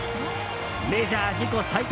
メジャー自己最多